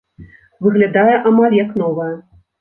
Выглядае амаль як новая.